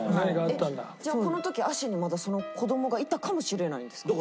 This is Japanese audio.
じゃあこの時足にまだその子どもがいたかもしれないんですか？